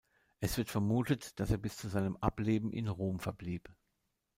Es wird vermutet, dass er bis zu seinem Ableben in Rom verblieb.